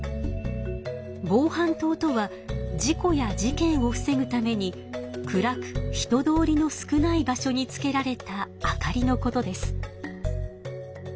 防犯灯とは事故や事件をふせぐために暗く人通りの少ない場所につけられた明かりのことです。